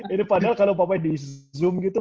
ini padahal kalau bapaknya di zoom gitu